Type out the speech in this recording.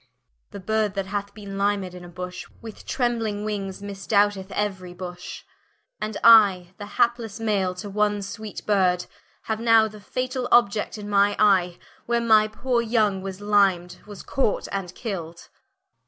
The Bird that hath bin limed in a bush, With trembling wings misdoubteth euery bush; And I the haplesse Male to one sweet Bird, Haue now the fatall Obiect in my eye, Where my poore yong was lim'd, was caught, and kill'd Rich.